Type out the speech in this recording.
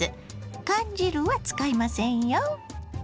缶汁は使いませんよ。